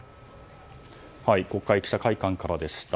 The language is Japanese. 国会記者会館からでした。